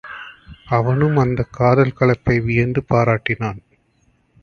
அவனும் அந்தக் காதல் கலப்பை வியந்து பாராட்டினான்.